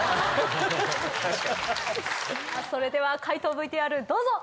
それでは解答ＶＴＲどうぞ。